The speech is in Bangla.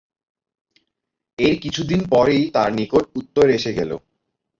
এর কিছুদিন পরই তাঁর নিকট উত্তর এসে গেল।